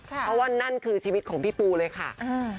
เพราะว่านั่นคือชีวิตของพี่ปูเลยค่ะ